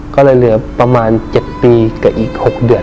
ก็เลยเหลือประมาณ๗ปีกับอีก๖เดือน